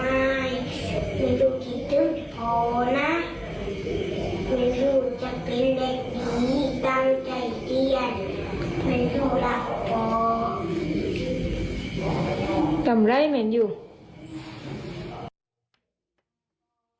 แมนยูจะเป็นเด็กนี้ตั้งใจเย็นแมนยูรักพ่อ